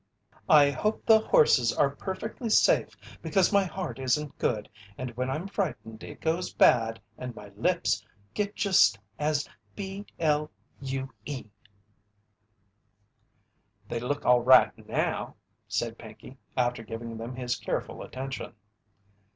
"I hope the horses are perfectly safe, because my heart isn't good, and when I'm frightened it goes bad and my lips get just as b l u e!" "They look all right now," said Pinkey, after giving them his careful attention.